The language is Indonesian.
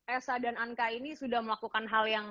esa dan anka ini sudah melakukan hal yang